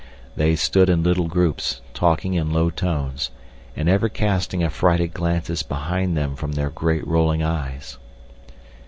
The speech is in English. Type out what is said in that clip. They stood in little groups, talking in low tones, and ever casting affrighted glances behind them from their great rolling eyes.